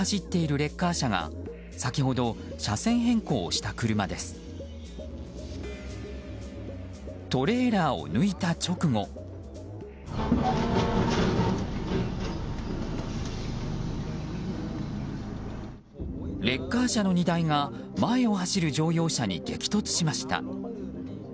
レッカー車の荷台が前を走る乗用車に激突しました。